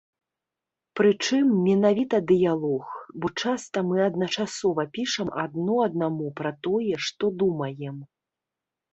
Прычым, менавіта дыялог, бо часта мы адначасова пішам адно аднаму пра тое, што думаем.